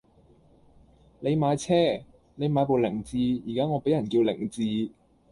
你買車!你買部凌志，而家我俾人叫零智!